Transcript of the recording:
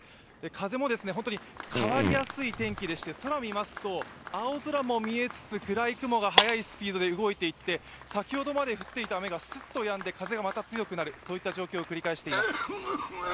風も変わりやすい天気でして、空を見ますと青空も見えつつ、暗い雲が速いスピードで流れていて先ほどまで降っていた雨がスッとやんで、風がまた強くなる、そういった状況を繰り返しています。